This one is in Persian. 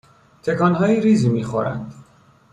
تکانهای ریزی میخورند